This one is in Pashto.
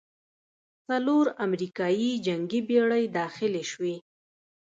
څلور امریکايي جنګي بېړۍ داخلې شوې.